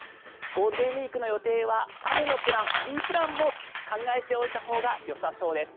ゴールデンウィークの予定は雨のプラン、Ｂプランも考えておいたほうがよさそうです。